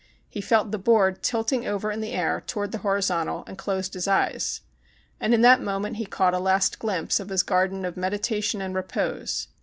He felt the board tilting over in the air toward the hori zontal, and closed his eyes. And in that mo ment he caught a last glimpse of his garden of meditation and repose.